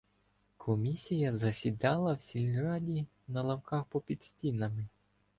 Комісія "засідала" в сільраді на лавках попід стінами.